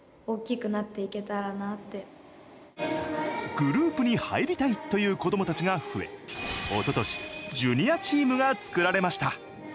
グループに入りたいという子どもたちが増えおととし、ジュニアチームが作られました。